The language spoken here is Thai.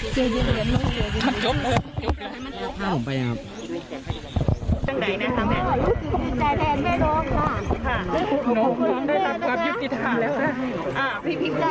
พี่มองว่ายังไงคะ